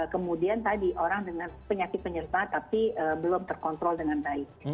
kemudian tadi orang dengan penyakit penyerta tapi belum terkontrol dengan baik